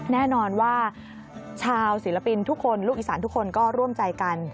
แน่นอนว่าชาวศิลปินทุกคนลูกอีสานทุกคนก็ร่วมใจกัน